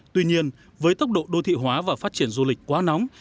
tuy nhiên với tốc độ đô thị hóa và phát triển du lịch quá nóng